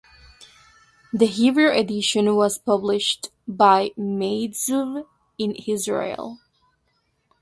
The Hebrew edition was published by Meytzuv in Israel.